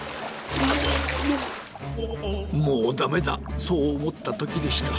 もうダメだそうおもったときでした。